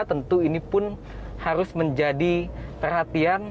tentu ini pun harus menjadi perhatian